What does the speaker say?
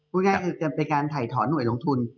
พูดง่ายคือจะเป็นการถ่ายถอนหน่วยลงทุน